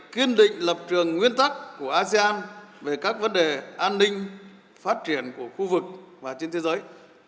kiên định lập trường nguyên tắc của asean về các vấn đề an ninh phát triển của khu vực và trên thế giới